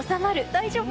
大丈夫？